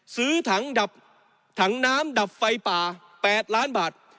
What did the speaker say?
ซื้อถังน้ำดับไฟป่า๘ล้านบาท